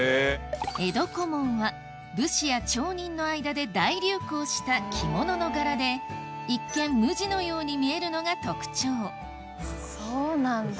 江戸小紋は武士や町人の間で大流行した着物の柄で一見無地のように見えるのが特徴そうなんだ。